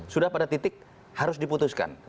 sudah pada titik harus diputuskan